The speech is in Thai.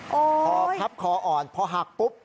พอพับคออ่อนพอหักปุ๊บ